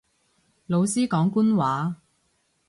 老師講官話